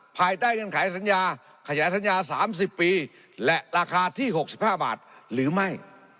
ภายใต้เงื่อนไขสัญญาขยายสัญญา๓๐ปีและราคาที่๖๕บาทหรือไม่